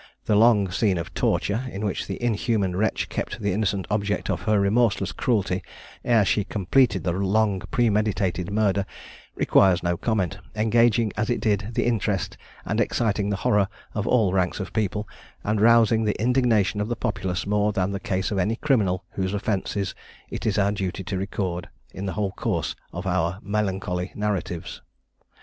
The long scene of torture in which the inhuman wretch kept the innocent object of her remorseless cruelty ere she completed the long premeditated murder, requires no comment, engaging as it did the interest, and exciting the horror of all ranks of people, and rousing the indignation of the populace more than the case of any criminal whose offences it is our duty to record, in the whole course of our melancholy narratives.